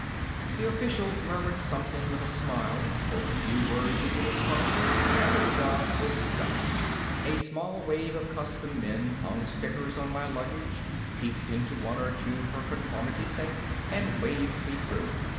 The official murmured something with a smile, spoke a few words into his phone, and the job was done. A small wave of custom men hung stickers on my luggage, peeked into one or two for conformity's sake, and waved me through.